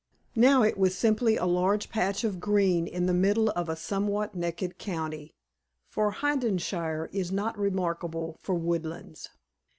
Now it was simply a large patch of green in the middle of a somewhat naked county, for Hengishire is not remarkable for woodlands.